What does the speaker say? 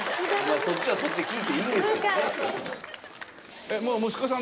そっちはそっちで聞いていいんですけどね。